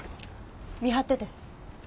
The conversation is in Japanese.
見張ってて。